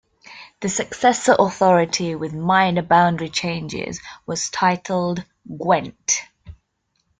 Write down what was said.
The successor authority, with minor boundary changes, was titled Gwent.